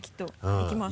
いきます。